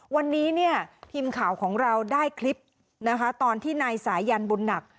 วันนี้เนี่ยทีมข่าวของเราได้คลิปนะคะตอนที่นายสายันบุญหนัก